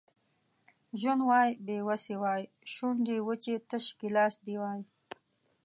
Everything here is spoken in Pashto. ژوند وای بې وسي وای شونډې وچې تش ګیلاس دي وای